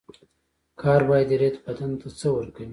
کاربوهایدریت بدن ته څه ورکوي